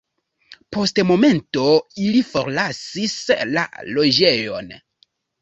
Post momento ili forlasis la loĝejon.